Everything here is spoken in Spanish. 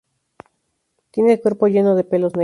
Tiene el cuerpo lleno de pelos negros.